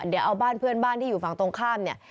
เดี๋ยวเอาบ้านเพื่อนบ้านที่อยู่ฝั่งตรงข้ามเนี่ย